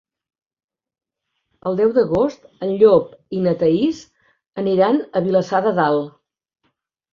El deu d'agost en Llop i na Thaís aniran a Vilassar de Dalt.